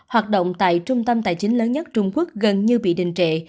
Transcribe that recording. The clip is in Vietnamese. hoạt động tại trung tâm tài chính lớn nhất trung quốc gần như bị đình trệ